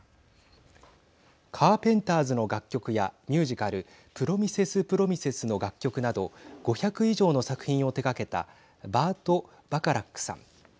カーペンターズの楽曲やミュージカルプロミセス・プロミセスの楽曲など５００以上の作品を手がけたバート・バカラックさん。